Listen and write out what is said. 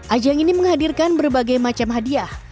ajang ini menghadirkan berbagai macam hadiah